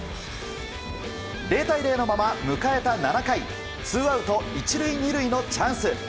０対０のまま迎えた７回ツーアウト１塁２塁のチャンス